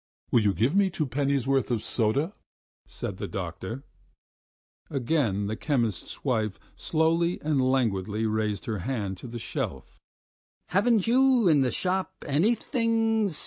"Will you give me two pennyworth of soda?" said the doctor. Again the chemist's wife slowly and languidly raised her hand to the shelf. "Haven't you in the shop anything